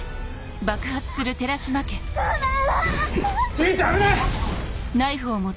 唯ちゃん危ない！